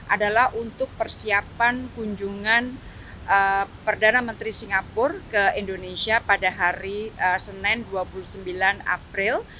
adalah untuk persiapan kunjungan perdana menteri singapura ke indonesia pada hari senin dua puluh sembilan april